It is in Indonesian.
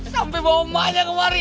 sampai bawa emaknya kemari